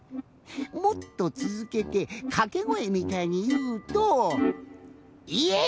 もっとつづけてかけごえみたいにいうと。